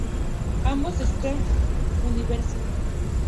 Ambos de Stanford University.